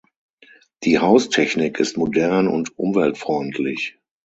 Die Haustechnik ist modern und umweltfreundlich.